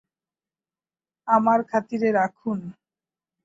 আমার খাতিরে রাখুন।